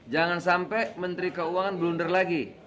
jangan sampai menteri keuangan blunder lagi